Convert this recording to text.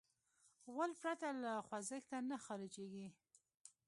غول پرته له خوځښته نه خارجېږي.